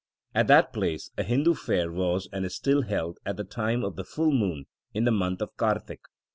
At that place a Hindu fair was and is still held at the time of the full moon in the month of Kartik.